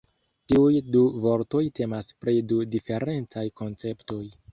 Tiuj du vortoj temas pri du diferencaj konceptoj.